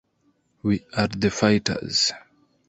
We are the fighters.